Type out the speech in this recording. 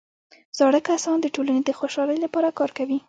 زاړه کسان د ټولنې د خوشحالۍ لپاره کار کوي